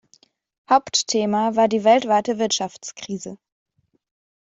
Hauptthema war die weltweite Wirtschaftskrise.